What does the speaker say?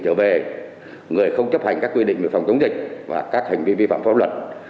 trở về người không chấp hành các quy định về phòng chống dịch và các hành vi vi phạm pháp luật